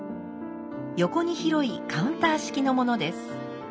横に広いカウンター式のものです。